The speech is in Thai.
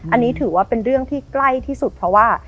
อันนี้ถือว่าเป็นเรื่องที่ใกล้ที่สุดเพราะว่า